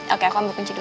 oke aku ambil kunci dulu